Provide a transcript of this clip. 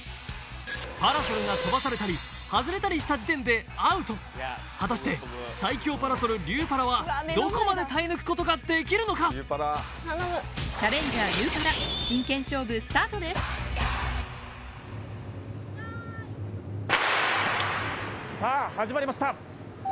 パラソルが飛ばされたり外れたりした時点でＯＵＴ果たして最強パラソルリューパラはどこまで耐え抜くことができるのかチャレンジャーリューパラ用意さあ始まりました